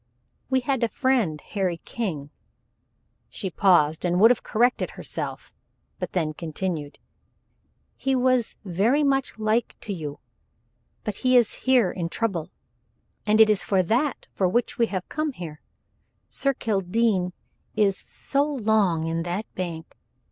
"We had a friend, Harry King," she paused and would have corrected herself, but then continued "he was very much like to you but he is here in trouble, and it is for that for which we have come here. Sir Kildene is so long in that bank!